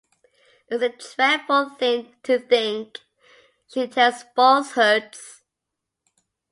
It’s a dreadful thing to think she tells falsehoods.